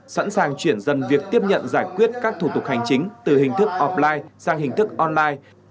sẵn sàng chuyển dần việc tiếp nhận giải quyết các thủ tục hành chính từ hình thức offline sang hình thức online